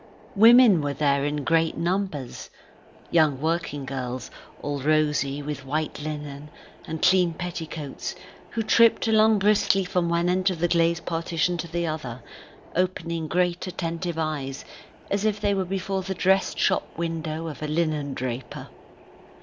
Women were there in great numbers: young work girls, all rosy, with white linen, and clean petticoats, who tripped along briskly from one end of the glazed partition to the other, opening great attentive eyes, as if they were before the dressed shop window of a linendraper.